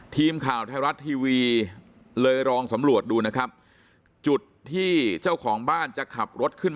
ทีมข่าวไทยรัฐทีวีเลยลองสำรวจดูนะครับ